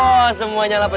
oh semuanya lapar